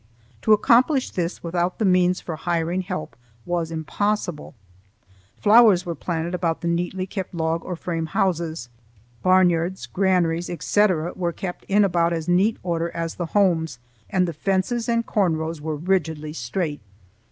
To accomplish this without the means for hiring help was impossible. Flowers were planted about the neatly kept log or frame houses; barnyards, granaries, etc., were kept in about as neat order as the homes, and the fences and corn rows were rigidly straight.